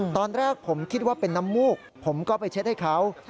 ตอนแรกผมคิดว่าเป็นน้ำมูกผมก็ไปเช็ดให้เขา